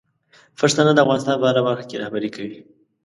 پښتانه د افغانستان په هره برخه کې رهبري کوي.